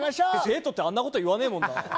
生徒ってあんなこと言わないもんな。